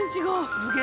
すげ！